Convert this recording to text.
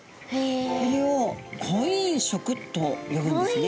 これを婚姻色と呼ぶんですね。